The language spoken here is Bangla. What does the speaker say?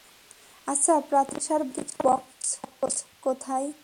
আচ্ছা প্রাথমিক চিকিৎসার বক্স কোথায়?